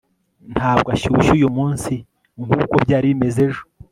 ntabwo ashyushye uyumunsi nkuko byari bimeze ejo